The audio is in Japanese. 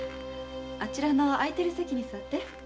あちらの空いてる席に座って。